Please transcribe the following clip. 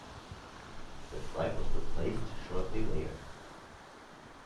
The flag was replaced shortly later.